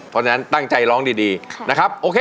เพราะฉะนั้นตั้งใจร้องดีนะครับโอเค